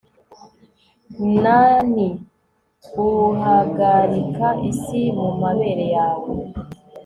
Nanny uhagarika isi mumabere yawe